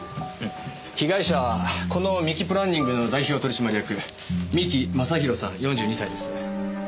被害者はこの三木プランニングの代表取締役三木昌弘さん４２歳です。